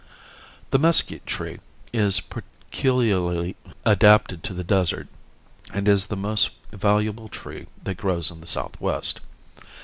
The mesquite tree is peculiarly adapted to the desert and is the most valuable tree that grows in the southwest.